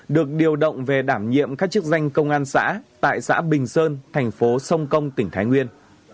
được điều động về đảm nhiệm các chức danh công an xã tại xã bình sơn thành phố sông công tỉnh thái nguyên